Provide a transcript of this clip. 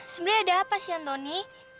sebenernya ada apa sih anthony